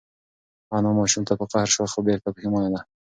انا ماشوم ته په قهر شوه خو بېرته پښېمانه ده.